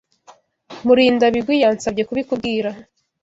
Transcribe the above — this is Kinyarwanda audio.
Murindabigwi yansabye kubikubwira.